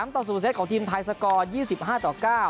ต่อ๐เซตของทีมไทยสกอร์๒๕ต่อ๙